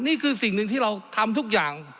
นี่คือสิ่งหนึ่งที่เราทำทุกอย่าง